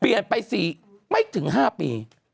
เปลี่ยนไปไม่ถึง๕ปี